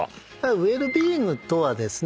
ウェルビーイングとはですね